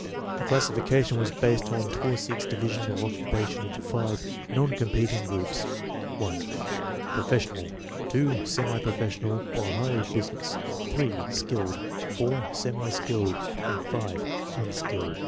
The classifica tion was based upon Taussig's division of occupations into five "non competing" groups: (1) professional; (2) semi professional or higher business; (3) skilled; (4) semi skilled; and (5) unskilled.